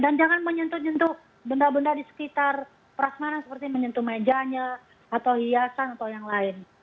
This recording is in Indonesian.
dan jangan menyentuh syentuh benda benda di sekitar prasmanan seperti menyentuh mejanya atau hiasan atau yang lain